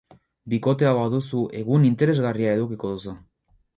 Bikotea baduzu egun interesgarria edukiko duzu.